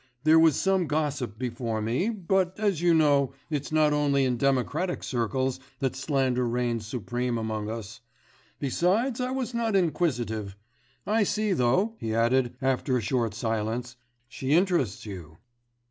There was some gossip before me, but as you know, it's not only in democratic circles that slander reigns supreme among us. Besides I was not inquisitive. I see though,' he added, after a short silence, 'she interests you.